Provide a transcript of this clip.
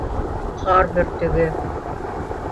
Ҡар бөртөгө